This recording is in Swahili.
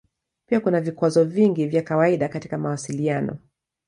Pia kuna vikwazo vingi vya kawaida katika mawasiliano.